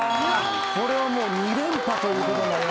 これは２連覇ということに。